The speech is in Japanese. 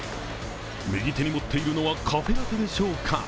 右手に持っているのはカフェラテでしょうか。